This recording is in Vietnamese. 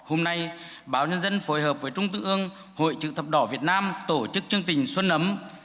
hôm nay báo nhân dân phối hợp với trung ương hội chữ thập đỏ việt nam tổ chức chương trình xuân ấm